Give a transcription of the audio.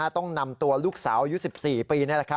ต้องนำตัวลูกสาวอายุ๑๔ปี